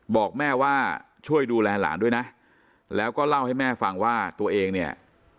บอกแม่ว่าช่วยดูแลหลานด้วยนะแล้วก็เล่าให้แม่ฟังว่าตัวเองเนี่ย